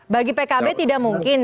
bagi pkb tidak mungkin